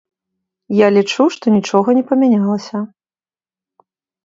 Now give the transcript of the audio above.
Я лічу, што нічога не памянялася.